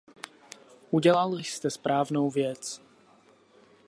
Udělal jste správnou věc.